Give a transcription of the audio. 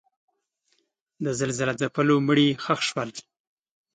د زلزله ځپلو مړي ښخ شول.